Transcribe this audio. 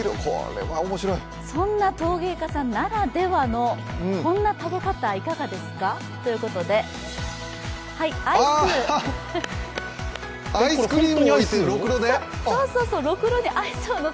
そんな陶芸家さんならではの、こんな食べ方、いかがですかということで、アイスクリームをろくろで？